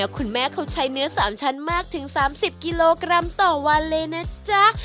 คุณแม่เขาใช้เนื้อ๓ชั้นมากถึง๓๐กิโลกรัมต่อวันเลยนะจ๊ะ